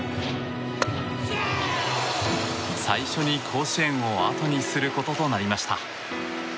最初に甲子園をあとにすることとなりました。